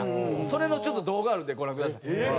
それのちょっと動画あるんでご覧ください。